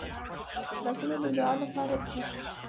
لاسونه د دعا لپاره دي